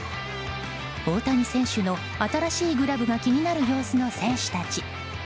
大谷選手の新しいグラブが気になる様子の選手たち。